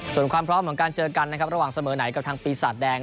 ส่วนความพร้อมของการเจอกันนะครับระหว่างเสมอไหนกับทางปีศาจแดง